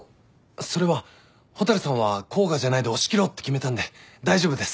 それは「蛍さんは甲賀じゃない」で押し切ろうって決めたんで大丈夫です。